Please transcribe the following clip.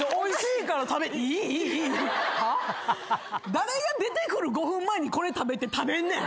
誰が出てくる５分前に「これ食べ」って食べんねん。